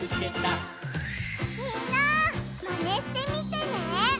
みんなマネしてみてね！